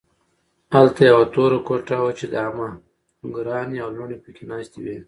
هلته یوه توره کوټه وه چې د عمه نګورانې او لوڼې پکې ناستې وې